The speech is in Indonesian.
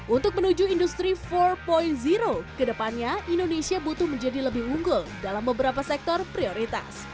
untuk menuju industri empat kedepannya indonesia butuh menjadi lebih unggul dalam beberapa sektor prioritas